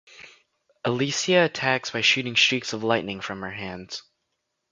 Alisia attacks by shooting streaks of lightning from her hands.